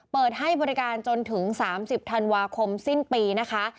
เปิดให้บริการจนถึง๓๐ธันวาคมสิ้นปีนะคะ